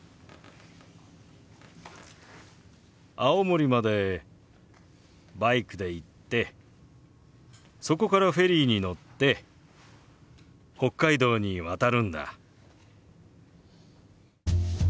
青森までバイクで行ってそこからフェリーに乗って北海道に渡るんだ。